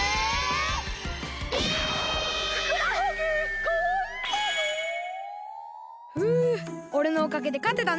ふうおれのおかげでかてたね。